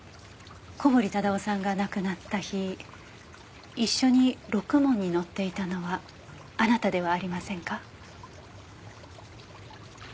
小堀忠夫さんが亡くなった日一緒にろくもんに乗っていたのはあなたではありませんか？